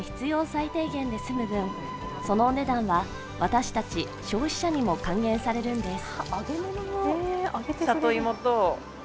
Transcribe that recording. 最低限で済む分、そのお値段は私たち消費者にも還元されるんです。